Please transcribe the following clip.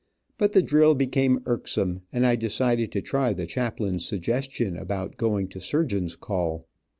But the drill became irksome, and I decided to try the chaplain's suggestion about going to surgeon's call.